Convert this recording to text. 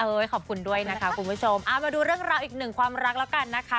ขอบคุณด้วยนะคะคุณผู้ชมเอามาดูเรื่องราวอีกหนึ่งความรักแล้วกันนะคะ